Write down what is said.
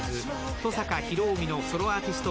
登坂広臣のソロアーティスト